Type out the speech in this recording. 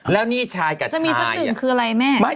แล้วนี่ชายกัดจะมีสักหนึ่งคืออะไรแม่